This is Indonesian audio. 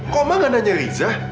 kok oma gak nanya rizah